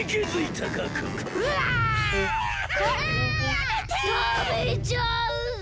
たべちゃうぞ！